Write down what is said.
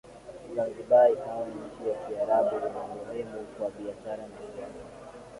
Zanzibar ikawa nchi ya Kiarabu na muhimu kwa biashara na siasa